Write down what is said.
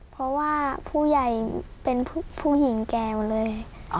เพราะว่าผู้ใหญ่เป็นผู้หญิงแก่วเลย